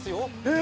え？